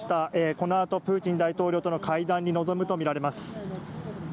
このあとプーチン大統領との会談に臨むとみられます。